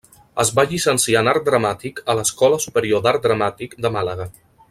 Es va llicenciar en Art Dramàtic a l'Escola Superior d'Art Dramàtic de Màlaga.